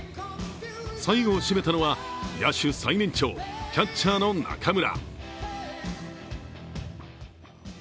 最後を締めたのは野手最年長キャッチャーの中村。